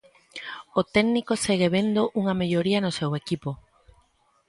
O técnico segue vendo unha melloría no seu equipo.